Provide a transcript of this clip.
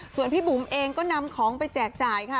ส่วนพี่บุ๋มเองก็นำของไปแจกจ่ายค่ะ